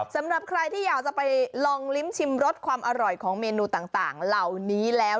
สำหรับใครที่อยากจะไปลองลิ้มชิมรสความอร่อยของเมนูต่างเหล่านี้แล้ว